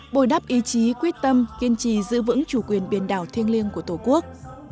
bồi đắp ý chí quyết tâm kiên trì giữ vững chủ quyền biển đảo thiêng liêng của tổ quốc